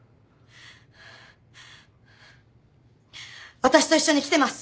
私と一緒に来てます。